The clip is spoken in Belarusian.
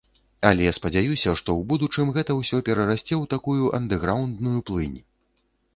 Але спадзяюся, што ў будучым гэта ўсё перарасце ў такую андэграўндную плынь.